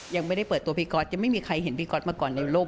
ยังไม่ได้เปิดตัวพี่ก๊อตยังไม่มีใครเห็นพี่ก๊อตมาก่อนในโลก